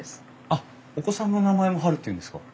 あっお子さんの名前もハルっていうんですか？